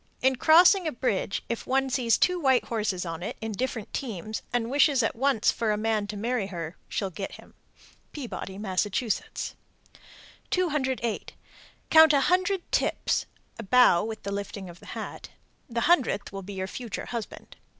In crossing a bridge, if one sees two white horses on it (in different teams) and wishes at once for a man to marry her, she'll get him. Peabody, Mass. 208. Count a hundred "tips" (a bow with the lifting of the hat). The hundredth will be your future husband.